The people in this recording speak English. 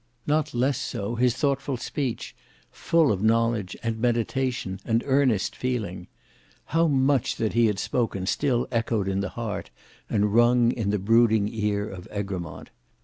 Not less so his thoughtful speech; full of knowledge and meditation and earnest feeling! How much that he had spoken still echoed in the heart, and rung in the brooding ear of Egremont.